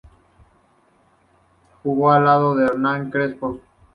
Jugó al lado de Hernán Crespo.